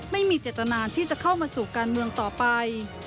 ไม่มีเจตนาที่จะเข้ามาสู่การเมืองต่อไป